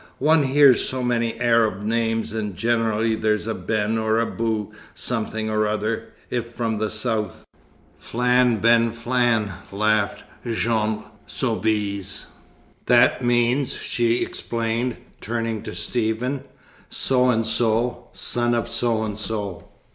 One hears so many Arab names, and generally there's a 'Ben' or a 'Bou' something or other, if from the South." "Flan ben Flan," laughed Jeanne Soubise. "That means," she explained, turning to Stephen, "So and So, son of So and So.